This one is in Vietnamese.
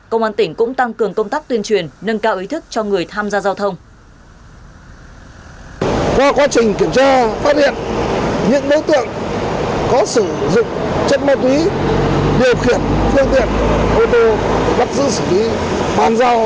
công an tỉnh cũng tăng cường công tác tuyên truyền nâng cao ý thức cho người tham gia giao thông